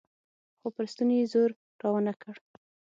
خو پر ستوني يې زور راونه کړ.